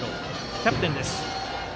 キャプテンです。